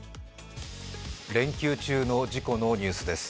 連休中の事故のニュースです。